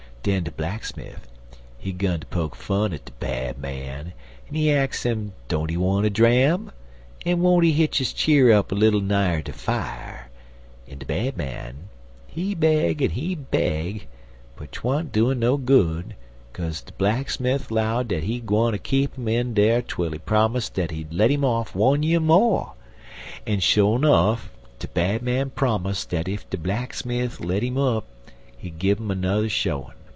Den de blacksmif, he 'gun ter poke fun at de Bad Man, en he ax him don't he want a dram, en won't he hitch his cheer up little nigher de fier, en de Bad Man, he beg en he beg, but 'twan't doin' no good, kase de blacksmif 'low dat he gwineter keep 'im dar twel he prommus dat he let 'im off one year mo', en, sho nuff, de Bad Man prommus dat ef de black smif let 'im up he give 'im a n'er showin'.